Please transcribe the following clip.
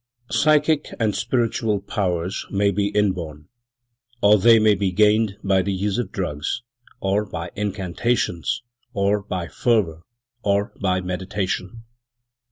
Psychic and spiritual powers may be inborn, or they may be gained by the use of drugs, or by incantations, or by fervour, or by Meditation.